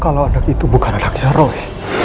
kalau anak itu bukan anaknya roy